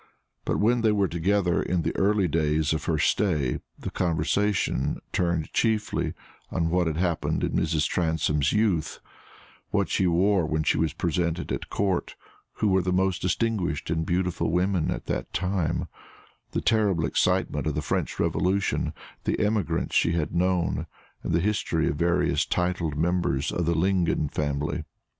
But when they were together in the early days of her stay, the conversation turned chiefly on what happened in Mrs. Transome's youth what she wore when she was presented at Court who were the most distinguished and beautiful women at that time the terrible excitement of the French Revolution the emigrants she had known, and the history of various titled members of the Lingon family.